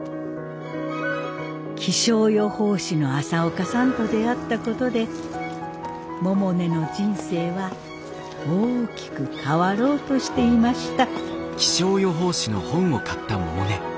気象予報士の朝岡さんと出会ったことで百音の人生は大きく変わろうとしていました。